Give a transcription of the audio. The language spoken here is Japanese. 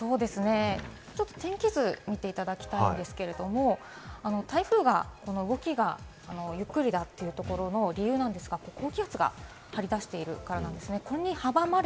天気図を見ていただきたいんですけれども、台風が動きがゆっくりだというところの理由なんですが、高気圧が張り出しているからなんですね。